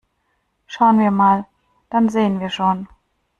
Schauen wir mal, dann sehen wir schon!